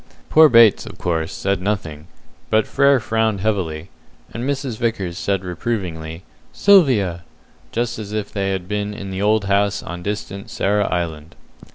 Poor Bates, of course, said nothing, but Frere frowned heavily, and Mrs. Vickers said reprovingly, "Sylvia!" just as if they had been in the old house on distant Sarah Island.